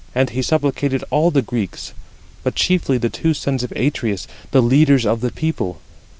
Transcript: And he supplicated all the Greeks, but chiefly the two sons of Atreus, the leaders of the people.